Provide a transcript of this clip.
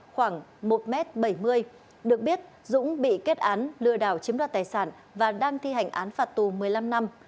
khoảng một m bảy mươi được biết dũng bị kết án lừa đảo chiếm đoạt tài sản và đang thi hành án phạt tù một mươi năm năm